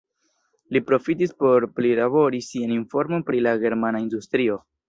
Li profitis por prilabori sian informon pri la germana industrio.